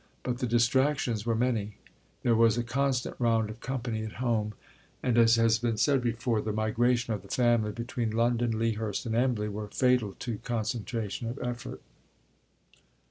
But the distractions were many. There was a constant round of company at home; and, as has been said before, the migrations of the family between London, Lea Hurst, and Embley were fatal to concentration of effort.